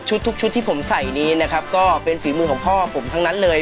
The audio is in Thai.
ทุกชุดที่ผมใส่นี้นะครับก็เป็นฝีมือของพ่อผมทั้งนั้นเลย